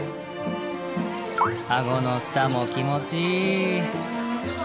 あごの下も気持ちいい。